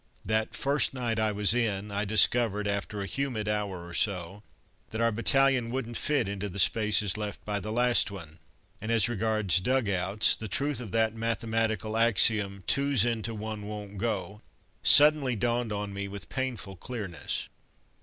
That first night I was "in" I discovered, after a humid hour or so, that our battalion wouldn't fit into the spaces left by the last one, and as regards dug outs, the truth of that mathematical axiom, "Two's into one, won't go," suddenly dawned on me with painful clearness.